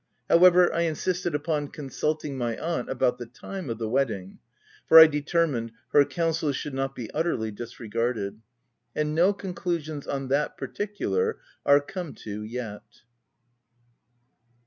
However, I insisted upon consulting my aunt about the time of the wedding, for I determined her counsels should not be utterly disregarded ; and no conclusions on that particular are come to yet.